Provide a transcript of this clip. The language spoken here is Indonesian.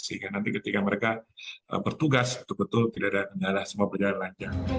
sehingga nanti ketika mereka bertugas betul betul tidak ada kendala semua berjalan lancar